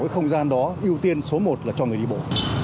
cái không gian đó ưu tiên số một là cho người đi bộ